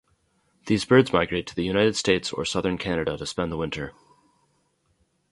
These birds migrate to the United States or southern Canada to spend the winter.